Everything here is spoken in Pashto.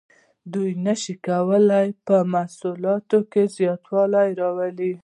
دوی نشو کولی په محصولاتو کې زیاتوالی راولي.